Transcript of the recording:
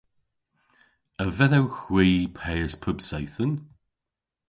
A vedhowgh hwi peys pub seythen?